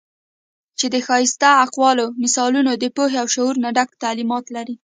چې د ښائسته اقوالو، مثالونو د پوهې او شعور نه ډک تعليمات لري